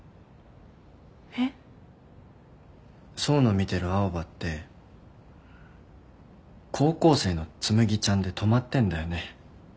えっ？想の見てる青羽って高校生の紬ちゃんで止まってんだよね。